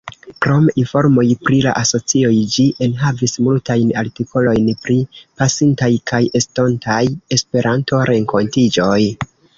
Krom informoj pri la asocioj, ĝi enhavis multajn artikolojn pri pasintaj kaj estontaj Esperanto-renkontiĝoj.